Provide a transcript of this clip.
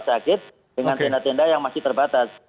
rumah sakit dengan tindak tindak yang masih terbatas